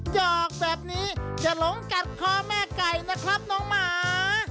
หอกแบบนี้จะหลงกัดคอแม่ไก่นะครับน้องหมา